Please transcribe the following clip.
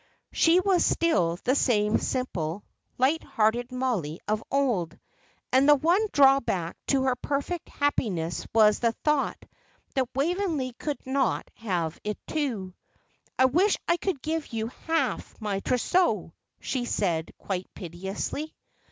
She was still the same simple, light hearted Mollie of old, and the one drawback to her perfect happiness was the thought that Waveney could not have it too. "I wish I could give you half my trousseau," she said, quite piteously.